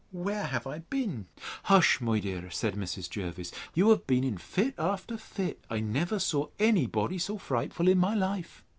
—Where have I been? Hush, my dear, said Mrs. Jervis; you have been in fit after fit. I never saw any body so frightful in my life!